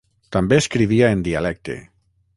També escrivia en dialecte.